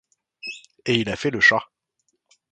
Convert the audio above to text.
Et il a fait le chat.